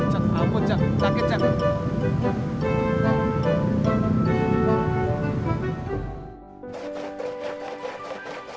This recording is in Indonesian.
jak ampun jak sakit jak